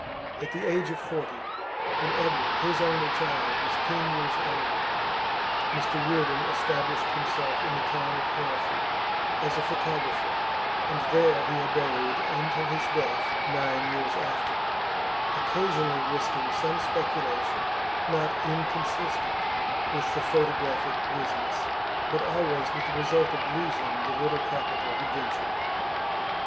At the age of forty when Edwin, his only child, was ten years old Mr Reardon established himself in the town of Hereford as a photographer, and there he abode until his death, nine years after, occasionally risking some speculation not inconsistent with the photographic business, but always with the result of losing the little capital he ventured.